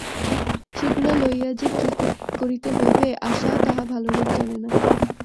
সেগুলা লইয়া যে কী করিতে হইবে, আশাও তাহা ভালোরূপ জানে না।